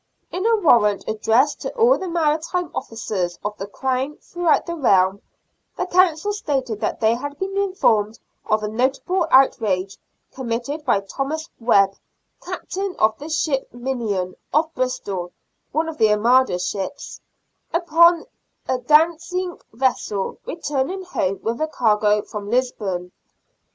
In a warrant addressed to all the maritime officers of the Crown throughout the realm, the Council stated that they had been informed of a notable outrage committed by Thomas Webb, captain of the ship Minion, of Bristol [one of the Armada ships] , upon a Dantzic vessel returning home with a cargo from Lisbon.